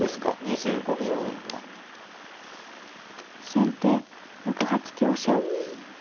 先手６八香車。